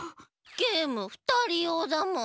ゲームふたりようだもん。